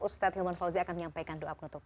ustadz hilman fauzi akan menyampaikan doa penutup